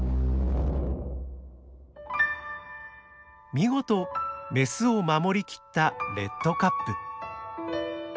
見事メスを守りきったレッドカップ。